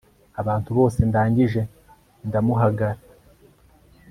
abantu bose ndangije ndamuhagara